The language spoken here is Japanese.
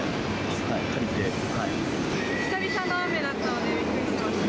久々の雨だったので、びっくりしました。